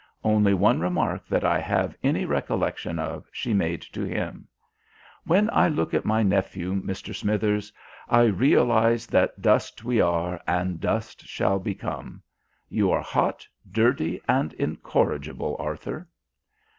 Only one remark that I have any recollection of she made to him: "When I look on my nephew, Mr. Smithers, I realise that dust we are, and dust shall become. You are hot, dirty, and incorrigible, Arthur."